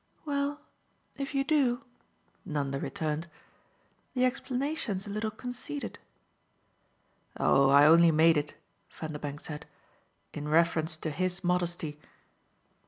"Well, if you do," Nanda returned, "the explanation's a little conceited." "Oh I only made it," Vanderbank said, "in reference to his modesty."